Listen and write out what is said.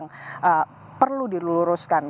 dan juga terlalu diluruskan